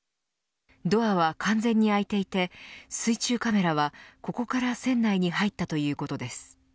ドアは完全に開いていて水中カメラはここから船内に入ったということです。